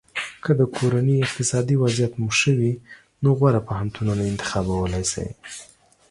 که د کورنۍ اقتصادي وضعیت مو ښه وي نو غوره پوهنتونونه انتخابولی شی.